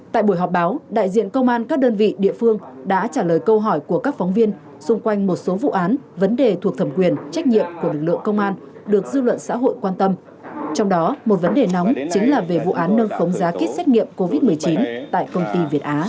tại buổi họp báo đại diện công an các đơn vị địa phương đã trả lời câu hỏi của các phóng viên xung quanh một số vụ án vấn đề thuộc thẩm quyền trách nhiệm của lực lượng công an được dư luận xét nghiệm covid một mươi chín tại công ty việt á